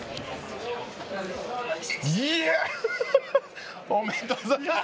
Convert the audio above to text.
イエア！おめでとうございます！